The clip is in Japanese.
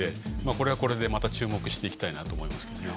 これはこれでまた注目したいと思います。